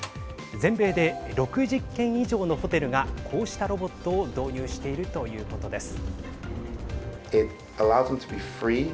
全米で６０軒以上のホテルがこうしたロボットを導入しているということです。